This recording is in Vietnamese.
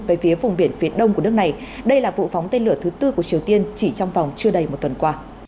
về phía vùng biển phía đông của nước này đây là vụ phóng tên lửa thứ tư của triều tiên chỉ trong vòng chưa đầy một tuần qua